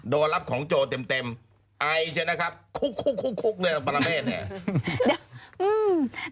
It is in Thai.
โดนรับของโจรเต็มไอใช่ไหมครับคุกเนี่ยปรเมฆเนี่ย